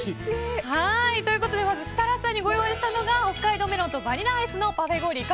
ということでまず設楽さんにご用意したのが北海道メロンとバニラアイスのパフェ氷。